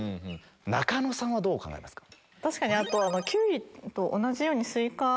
中野さんはどう考えますか？